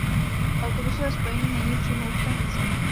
Autobusové spojení není přímo u stanice.